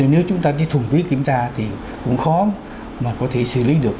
nếu chúng ta chỉ thuần túy kiểm tra thì cũng khó mà có thể xử lý được